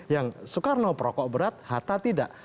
yang soekarno perokok berat hatta tidak